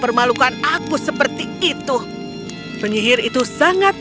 terong yang kecelakaan ter dat alam ini two little daughter